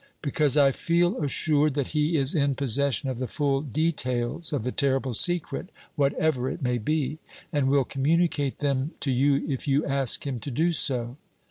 "Because I feel assured that he is in possession of the full details of the terrible secret, whatever it may be, and will communicate them to you if you ask him to do so."